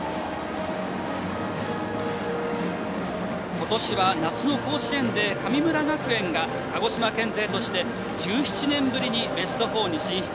今年は、夏の甲子園で神村学園が鹿児島県勢として１７年ぶりにベスト４に進出。